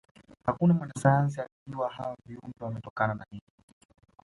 hakuna mwanasayansi aliejua hawa viumbe wametokana na nini